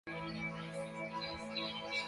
isiwe democrasi ile ya ya yaunafiki